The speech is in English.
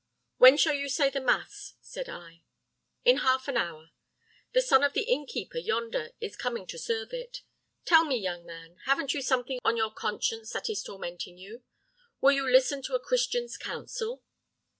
"'When shall you say the mass?' said I. "'In half an hour. The son of the innkeeper yonder is coming to serve it. Tell me, young man, haven't you something on your conscience that is tormenting you? Will you listen to a Christian's counsel?